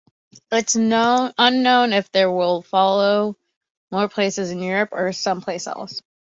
It's unknown if there will follow more places in Europe, or someplace else.